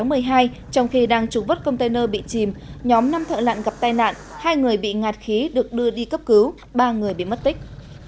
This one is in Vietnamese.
ngày một mươi một tháng một mươi hai trong khi đang trục vớt container bị chìm nhóm năm thợ lạn gặp tai nạn hai người bị ngạt khí được đưa đi cấp cứu ba người bị mất tích